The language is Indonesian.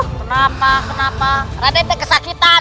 kenapa kenapa raden kesakitan